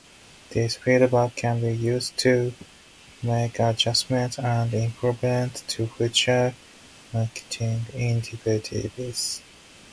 This feedback can be used to make adjustments and improvements to future marketing initiatives.